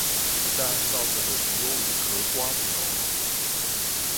不但造成了許多無殼蝸牛